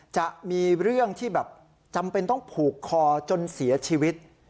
จะมีเรื่องที่แบบจำเป็นต้องผูกคอจนเสียชีวิต